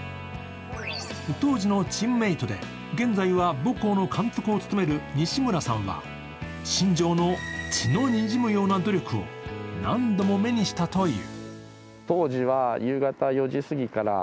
当時のチームメートで現在は母校の監督を務める西村さんは、新庄の血のにじむような努力を何度も目にしたという。